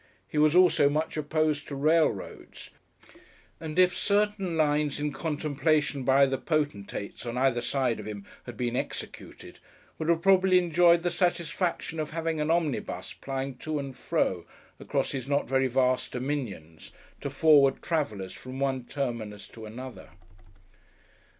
He was also much opposed to railroads; and if certain lines in contemplation by other potentates, on either side of him, had been executed, would have probably enjoyed the satisfaction of having an omnibus plying to and fro across his not very vast dominions, to forward travellers from one terminus to another.